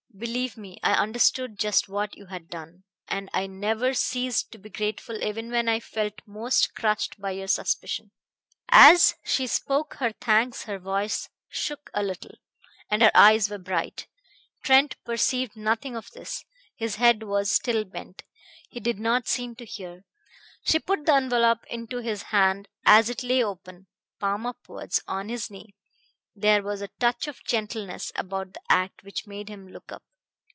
Believe me, I understood just what you had done, and I never ceased to be grateful even when I felt most crushed by your suspicion." As she spoke her thanks her voice shook a little, and her eyes were bright. Trent perceived nothing of this. His head was still bent. He did not seem to hear. She put the envelop into his hand as it lay open, palm upwards, on his knee. There was a touch of gentleness about the act which made him look up.